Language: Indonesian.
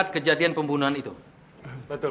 aku sudah berbunuh accuse lalu